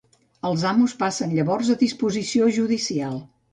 Els amos passen llavors a disposició judicial.